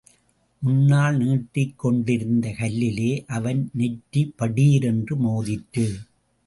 முன்னால் நீட்டிக் கொண்டிருந்த கல்லிலே அவன் நெற்றி படீரென்று மோதிற்று.